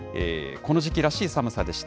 この時期らしい寒さでした。